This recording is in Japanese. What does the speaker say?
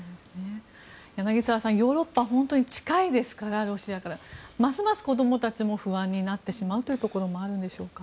柳澤さん、ヨーロッパは本当にロシアから近いですからますます子供たちも不安になってしまうというところもあるんでしょうか。